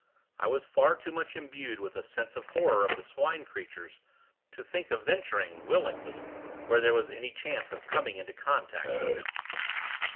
I was far too much imbued with a sense of horror of the Swine creatures, to think of venturing, willingly, where there was any chance of coming into contact with them.